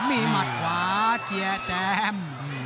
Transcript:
มีหมัดขวาเกียร์แจม